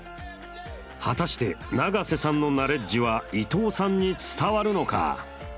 果たして永瀬さんのナレッジは伊藤さんに伝わるのか？